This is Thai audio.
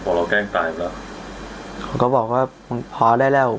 พอเราแกล้งตายไปแล้วเขาก็บอกว่ามึงพอได้แล้ว